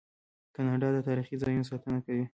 کاناډا د تاریخي ځایونو ساتنه کوي.